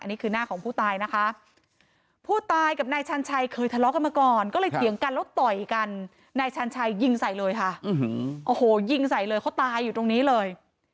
นี่คือหน้าของผู้ตายนะคะผู้ตายกับนายชันชัยเคยทะเลาะกันมาก่อนก็เลยเถียงกันแล้วต่อยกันนายชันชัยยิงใส่เลยค่ะโอ้โหยิงใส่เลยเขาตายอยู่ตรงนี้เลย